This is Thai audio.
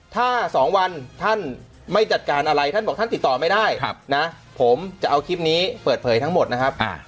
ถ้า๒วันท่านไม่จัดการอะไรท่านบอกท่านติดต่อไม่ได้นะผมจะเอาคลิปนี้เปิดเผยทั้งหมดนะครับ